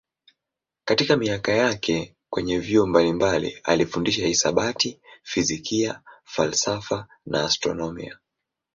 Katika miaka yake kwenye vyuo mbalimbali alifundisha hisabati, fizikia, falsafa na astronomia.